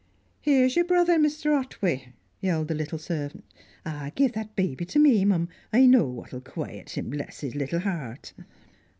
"Here's your brother, Mr. Otw'y," yelled the little servant. "Give that baby to me, mum. I know what'll quoiet him, bless his little heart."